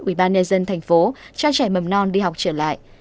ubnd tp cho trẻ mầm non đi học trở lại